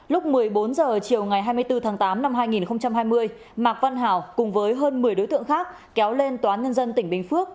lúc một mươi bốn h chiều ngày hai mươi bốn tháng tám năm hai nghìn hai mươi mạc văn hào cùng với hơn một mươi đối tượng khác kéo lên tòa án nhân dân tỉnh bình phước